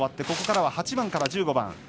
ここからは８番から１５番。